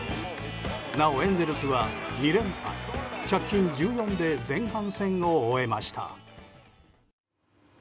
なおエンゼルスは２連敗借金１４で前半戦を終えました。